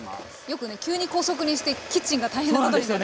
よくね急に高速にしてキッチンが大変なことになって。